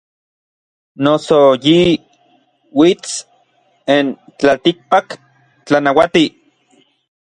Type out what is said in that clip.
Noso yi uits n tlaltikpak tlanauatij.